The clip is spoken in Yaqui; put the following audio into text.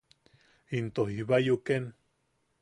Into jiba yuken.